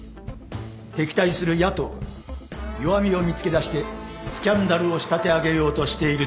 敵対する野党が弱みを見つけだしてスキャンダルを仕立て上げようとしていると思われる。